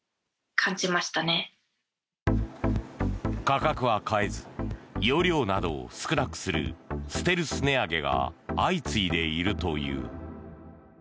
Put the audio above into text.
価格は変えず容量などを少なくするステルス値上げが相次いでいるという。